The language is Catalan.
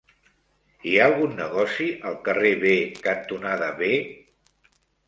Hi ha algun negoci al carrer B cantonada B?